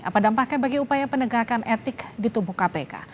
apa dampaknya bagi upaya penegakan etik di tubuh kpk